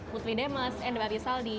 putri demas endra rizal jokowi